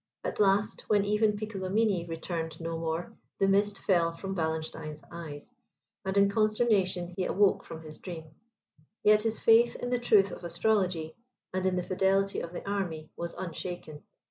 At last, when even Piccolomini returned no more, the mist fell from Wallenstein's eyes, and in consternation he awoke from his dream. Yet his faith in the truth of astrology, and in the fidelity of the army was unshaken.